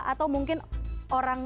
atau mungkin orang tua